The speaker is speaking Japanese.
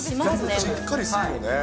しっかりするよね。